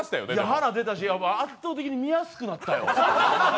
華が出たし、圧倒的に見やすくなったよ。